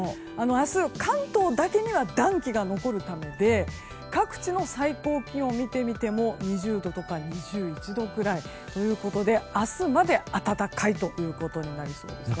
明日、関東だけには暖気が残ったので各地の最高気温を見てみても２０度とか２１度くらいということで明日まで暖かいということになりそうです。